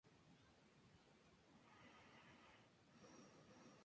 Es herido en la Batalla de Ocotlán, aunque gana la batalla.